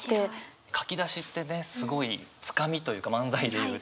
書き出しってねすごいつかみというか漫才でいう。